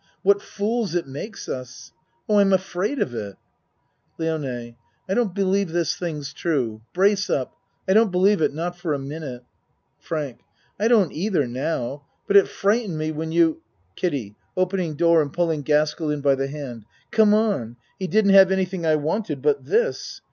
What fools it makes us. Oh, I'm afraid of it! LIONE I don't believe this thing's true. Brace up. I don't believe it not for a minute. FRANK I don't either now. But it fright ened me when you KIDDIE (Opening door and pulling Gaskell in by the hand.) Come on. He didn't have anything I wanted but this.